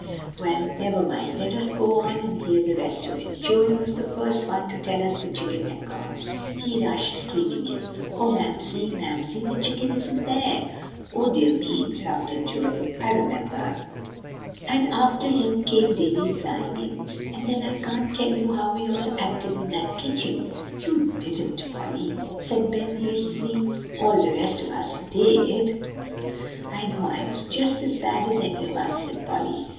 Well, never mind, let us go on and hear the rest of it. Joel was the first one to tell us the chicken had gone. He rushed screaming in, 'O Mamsie! Mamsie! the chicken isn't there!'" "Oh, dear me!" interrupted Joel; "I remember." "And after him came Davie flying in, and then I can't tell you how we all acted in that kitchen." "You didn't, Polly," said Ben hastily; "all the rest of us did." "I know I was just as bad as any of us," said Polly.